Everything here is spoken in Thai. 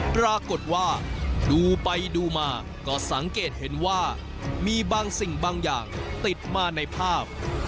ปรากฏว่าดูไปดูมาก็สังเกตเห็นว่ามีบางสิ่งบางอย่างติดมาในภาพ